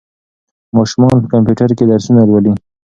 ماشومان په کمپیوټر کې درسونه لولي.